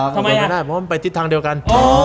เพราะมันไปจิดทางเดียวกัน